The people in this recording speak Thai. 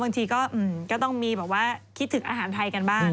บางทีก็ต้องมีแบบว่าคิดถึงอาหารไทยกันบ้าง